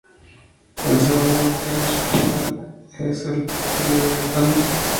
El segundo material más popular es el poliuretano.